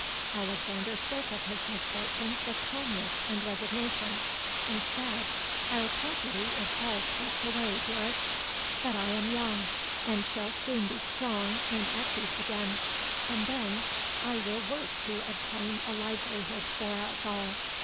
Alexander spoke of his misfortunes with calmness and resignation; and said, 'Our property is all swept away, dearest; but I am young, and shall soon be strong and active again; and then I will work to obtain a livelihood for us all.